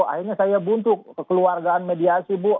akhirnya saya buntu ke keluargaan mediasi bu